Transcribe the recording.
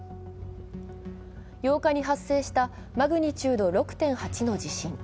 ８日に発生したマグニチュード６．８の地震。